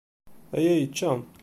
Aya yečča.